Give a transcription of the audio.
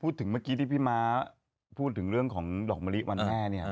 เมื่อกี้ที่พี่ม้าพูดถึงเรื่องของดอกมะลิวันแม่เนี่ย